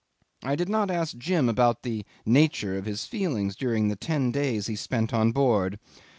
I did not ask Jim about the nature of his feelings during the ten days he spent on board.